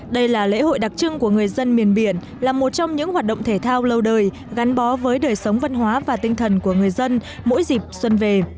đây là lễ hội đặc trưng của người dân miền biển là một trong những hoạt động thể thao lâu đời gắn bó với đời sống văn hóa và tinh thần của người dân mỗi dịp xuân về